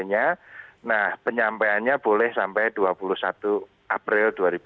nah penyampaiannya boleh sampai dua puluh satu april dua ribu dua puluh